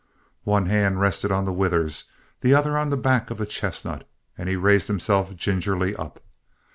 One hand rested on the withers, the other on the back of the chestnut, and he raised himself gingerly up.